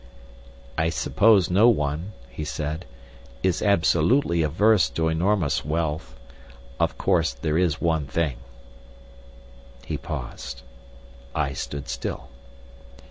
"I suppose no one," he said, "is absolutely averse to enormous wealth. Of course there is one thing—" He paused. I stood still.